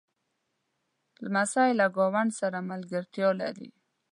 لمسی له ګاونډ سره ملګرتیا لري.